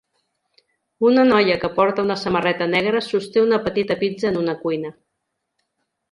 Una noia que porta una samarreta negra sosté una petita pizza en una cuina.